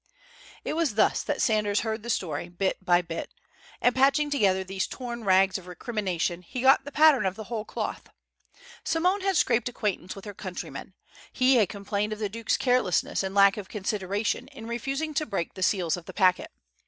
It was thus that Sanders heard the story, bit by bit. And patching together these torn rags of recrimination he got the pattern of the whole cloth. Simone had scraped acquaintance with her countryman. He had complained of the Duke's carelessness and lack of consideration in refusing to break the seals of the packet.